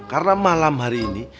karena malam hari ini